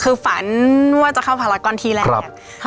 คือฝันว่าจะเข้าภารกรที่แรก